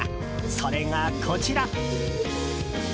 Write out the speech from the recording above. それがこちら。